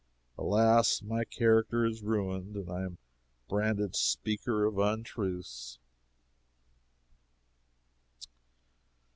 Alas, my character is ruined, and I am a branded speaker of untruths!"